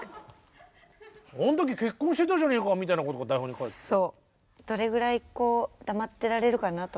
「あん時結婚してたじゃねえか」みたいなことが台本に書いてある。